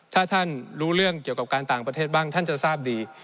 ถ้าท่านรู้เรื่องเกี่ยวกับการต่างประเทศบ้างท่านจะทราบดี